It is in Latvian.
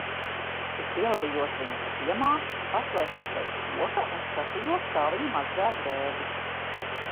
Es ielavījos viņas ciemā, paslēpos aiz koka un skatījos, kā viņa mazgā drēbes.